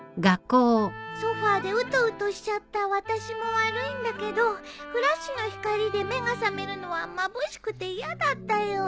ソファでウトウトしちゃった私も悪いんだけどフラッシュの光で目が覚めるのはまぶしくて嫌だったよ。